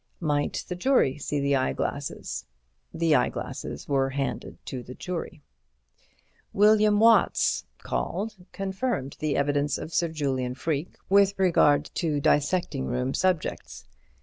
Might the jury see the eyeglasses? The eyeglasses were handed to the jury. William Watts, called, confirmed the evidence of Sir Julian Freke with regard to dissecting room subjects.